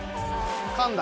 「かん」だ。